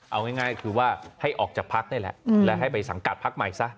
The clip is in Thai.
เอาง่ายคือว่าให้ออกจากพักนี่แหละและให้ไปสังกัดพักใหม่ซะ